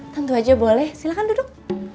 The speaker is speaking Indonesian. tentu aja boleh silakan duduk